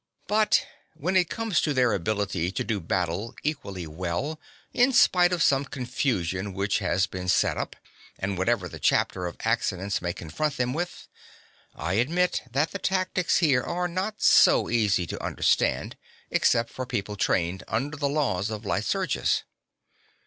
But when it comes to their ability to do battle equally well in spite of some confusion which has been set up, and whatever the chapter of accidents may confront them with, (13) I admit that the tactics here are not so easy to understand, except for people trained under the laws of Lycurgus.